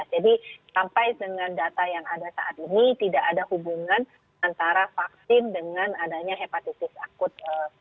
jadi sampai dengan data yang ada saat ini tidak ada hubungan antara vaksin dengan adanya hepatitis akut